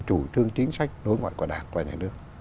chủ trương chính sách đối ngoại của đảng và nhà nước